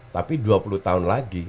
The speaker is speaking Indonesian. tapi dua puluh tahun lagi